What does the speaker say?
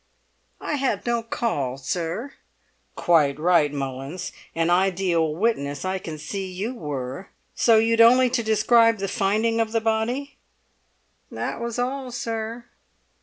"I had no call, sir." "Quite right, Mullins! An ideal witness, I can see you were. So you'd only to describe the finding of the body?" "That was all, sir."